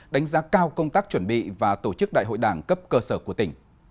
đánh giá cao công tác chuẩn bị và tổ chức đại hội đảng cấp cơ sở của tỉnh